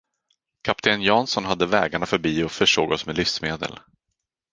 Kapten Jansson hade vägarna förbi och försåg oss med livsmedel.